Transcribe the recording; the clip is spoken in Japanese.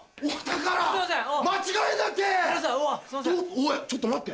おいちょっと待って。